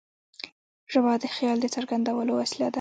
ژبه د خیال د څرګندولو وسیله ده.